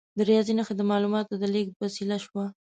د ریاضي نښې د معلوماتو د لیږد وسیله شوه.